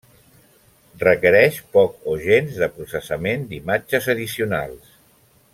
Requereix poc o gens de processament d'imatges addicionals.